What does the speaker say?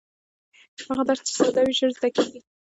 هغه درس چې ساده وي ژر زده کېږي.